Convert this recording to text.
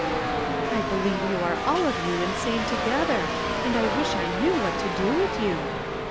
" I believe you are all of you insane together, and I wish I knew what to do with you."